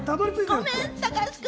ごめん、高橋君。